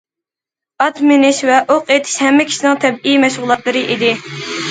ئات مىنىش ۋە ئوق ئېتىش ھەممە كىشىنىڭ تەبىئىي مەشغۇلاتلىرى ئىدى.